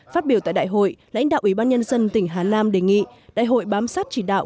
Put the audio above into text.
phát biểu tại đại hội lãnh đạo ủy ban nhân dân tỉnh hà nam đề nghị đại hội bám sát chỉ đạo